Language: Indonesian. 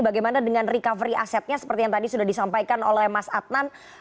bagaimana dengan recovery asetnya seperti yang tadi sudah disampaikan oleh mas adnan